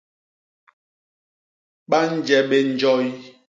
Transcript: Ba nje bé njoy.